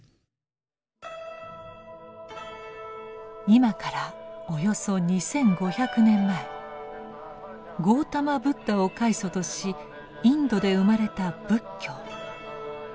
今からおよそ２，５００年前ゴータマ・ブッダを開祖としインドで生まれた仏教。